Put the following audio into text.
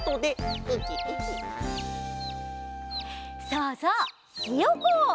そうそうひよこ！